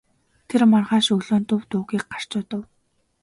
Тэр маргааш өглөө нь дув дуугүй гарч одов.